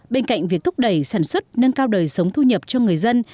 bên cạnh việc thúc đẩy sản xuất nâng cao đời sống thu nhập cho người dân